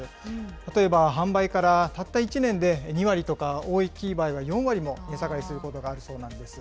例えば、販売からたった１年で、２割とか、大きい場合は４割も値下がりすることがあるそうなんです。